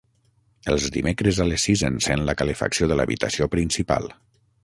Els dimecres a les sis encèn la calefacció de l'habitació principal.